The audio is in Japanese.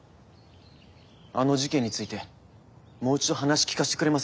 あの事件についてもう一度話聞かせてくれませんか？